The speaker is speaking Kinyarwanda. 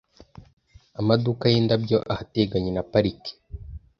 Amaduka yindabyo ahateganye na parike .